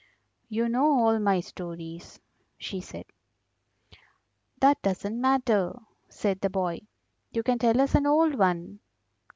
"You know all my stories," she said. "That doesn't matter," said the boy. "You can tell us an old one."